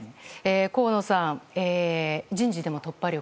河野さん、人事でも突破力。